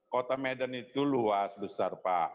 kota medan itu luas besar pak